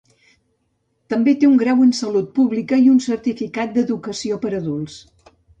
També té un grau en salut pública i un certificat d'educació per a adults.